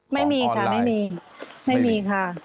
ไม่มีค่ะไม่มี